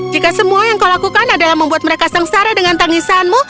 jika semua yang kau lakukan adalah membuat mereka sengsara dengan tangisanmu